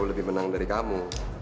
lebih menang dari kamu